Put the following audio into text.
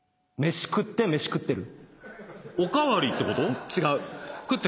飯食って飯食ってる。